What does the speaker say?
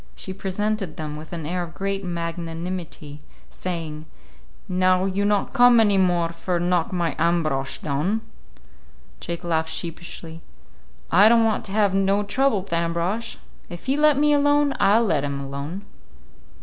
She presented them with an air of great magnanimity, saying, "Now you not come any more for knock my Ambrosch down?" Jake laughed sheepishly. "I don't want to have no trouble with Ambrosch. If he'll let me alone, I'll let him alone."